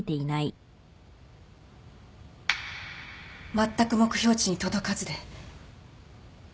まったく目標値に届かずで。